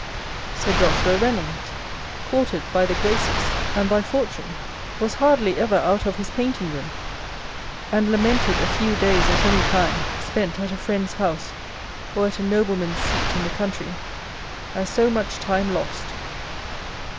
Sir Joshua Reynolds, courted by the Graces and by Fortune, was hardly ever out of his painting room ; and lamented a few days at any time spent at a friend's house or at a noble man's seat in the country, as so much time lost.